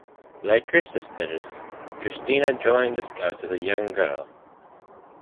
Like her sisters, Christina joined the Scouts as a young girl.